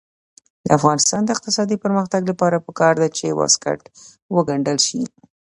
د افغانستان د اقتصادي پرمختګ لپاره پکار ده چې واسکټ وګنډل شي.